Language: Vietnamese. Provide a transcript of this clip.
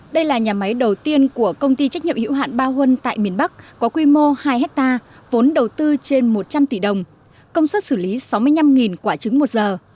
đây là nhà máy đầu tiên của công ty trách nhiệm hữu hạn ba huân tại miền bắc có quy mô hai hectare vốn đầu tư trên một trăm linh tỷ đồng công suất xử lý sáu mươi năm quả trứng một giờ